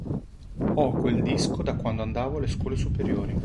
Ho quel disco da quando andavo alle scuole superiori.